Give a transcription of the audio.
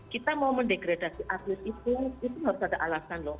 kita mau mendegradasi atlet itu itu harus ada alasan loh